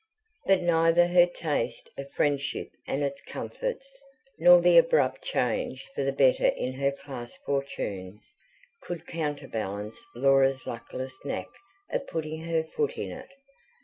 But neither her taste of friendship and its comforts, nor the abrupt change for the better in her class fortunes, could counterbalance Laura's luckless knack of putting her foot in it.